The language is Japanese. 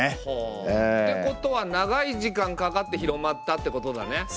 ほうってことは長い時間かかって広まったってことだね。